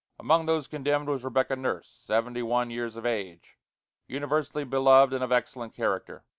Among those condemned was Rebecca Nourse, seventy one years of age, universally beloved and of excellent character.